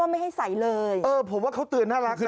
ไม่ใส่เลยนี่คือโนบราเลย